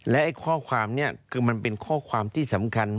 และข้อความนี้คือมันเป็นข้อความที่สำคัญ